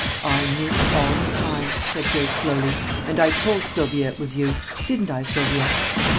"I knew it all the time," said Grace slowly, "and I told Sylvia it was you; didn't I, Sylvia?"